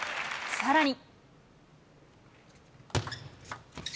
さらに。